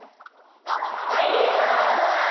あっ本当だ！